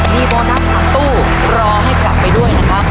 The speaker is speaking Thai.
มีโบนัสหลังตู้รอให้กลับไปด้วยนะครับ